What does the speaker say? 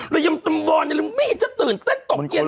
รายทำบอนไม่เจอตื่นเต้นตกเย็น